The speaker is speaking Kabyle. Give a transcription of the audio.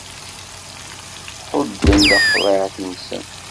Ḥudden taqeḍεit-nsen.